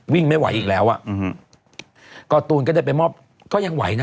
วิ่งไม่ไหวอีกแล้วอ่ะอืมการ์ตูนก็ได้ไปมอบก็ยังไหวนะ